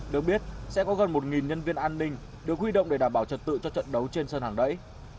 được biết sẽ có gần một nhân viên an ninh được huy động để đảm bảo trật tự cho trận đấu trên sân hàng đẩy